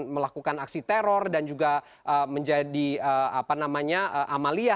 melakukan aksi teror dan juga menjadi apa namanya amalia